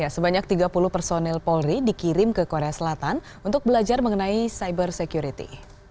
sebanyak tiga puluh personil polri dikirim ke korea selatan untuk belajar mengenai cyber security